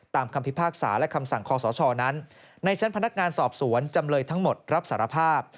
คำพิพากษาและคำสั่งคอสชนั้นในชั้นพนักงานสอบสวนจำเลยทั้งหมดรับสารภาพ